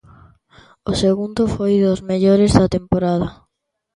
O segundo foi dos mellores da temporada.